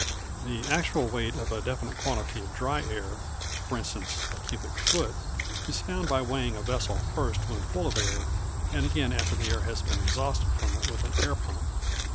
The actual weight of a definite quantity of dry air for instance, a cubic foot is found by weighing a vessel first when full of air, and again after the air has been exhausted from it with an air pump.